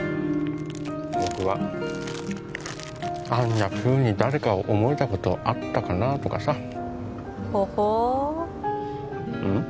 僕はあんなふうに誰かを思えたことあったかなとかさほほううん？